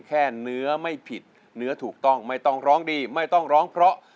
เนื้อไม่ผิดเนื้อถูกต้องไม่ต้องร้องดีไม่ต้องร้องเพราะ